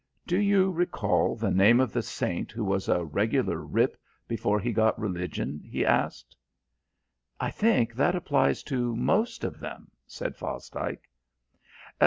"Do you recall the name of the saint who was a regular rip before he got religion?" he asked. "I think that applies to most of them," said Fosdike.